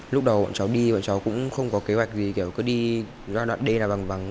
lúc đầu bọn cháu đi bọn cháu cũng không có kế hoạch gì kiểu cứ đi ra đoạn đê là bằng vắng